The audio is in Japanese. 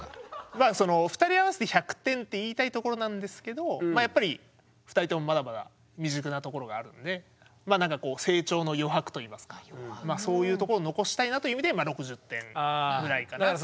まあその２人合わせて１００点って言いたいところなんですけどまあやっぱり２人ともまだまだ未熟なところがあるのでなんかこう成長の余白といいますかそういうとこを残したいなという意味で６０点ぐらいかなっていう。